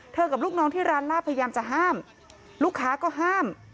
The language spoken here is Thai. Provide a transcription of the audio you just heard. กับลูกน้องที่ร้านลาบพยายามจะห้ามลูกค้าก็ห้าม